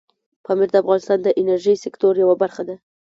پامیر د افغانستان د انرژۍ سکتور یوه برخه ده.